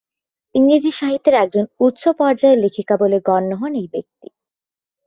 ইংরেজি সাহিত্যের একজন উচ্চ পর্যায়ের লেখিকা বলে গণ্য হন এই ব্যক্তি।